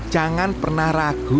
jangan pernah ragu